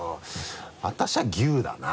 私は牛だな。